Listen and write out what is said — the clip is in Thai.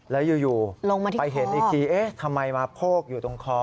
แล้วอยู่ไปเห็นอีกทีเอ๊ะทำไมมาโพกอยู่ตรงคอ